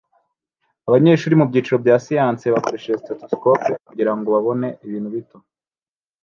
Abanyeshuri mubyiciro bya siyanse bakoresheje stethoscope kugirango babone ibintu bito